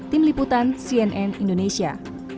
tim liputan cnn indonesia